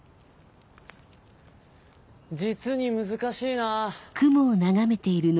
実に難しいなぁ。